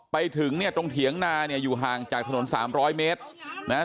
ไปถึงเนี่ยตรงเถียงนาเนี่ยอยู่ห่างจากถนนสามร้อยเมตรนะฮะ